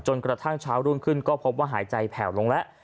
กระทั่งเช้ารุ่นขึ้นก็พบว่าหายใจแผ่วลงแล้ว